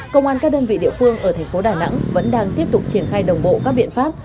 công an các đơn vị địa phương ở thành phố đà nẵng vẫn đang tiếp tục triển khai đồng bộ các biện pháp